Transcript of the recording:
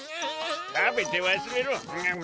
たべてわすれろ。